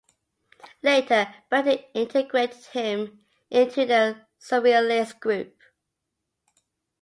Later Breton integrated him into the Surrealist group.